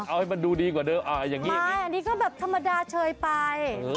เอาให้มันดูดีกว่าเดิมอันนี้ก็แบบธรรมดาเฉยไป